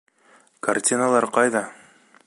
Картиналар ҡайҙа?